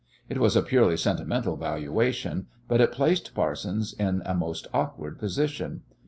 It was a purely sentimental valuation, but it placed Parsons in a most awkward position.